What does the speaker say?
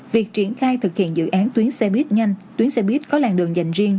việc triển khai thực hiện dự án tuyến xe buýt nhanh tuyến xe buýt có làng đường dành riêng